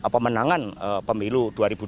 pemenangan pemilu dua ribu dua puluh